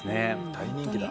大人気だ。